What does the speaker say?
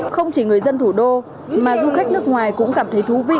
không chỉ người dân thủ đô mà du khách nước ngoài cũng cảm thấy thú vị